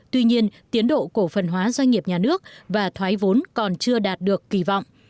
tuy nhiên tiến độ cổ phần hóa doanh nghiệp nhà nước và thoái vốn còn chưa đạt được kỳ vọng